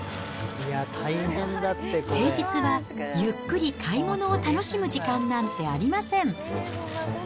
平日はゆっくり買い物を楽しむ時間なんてありません。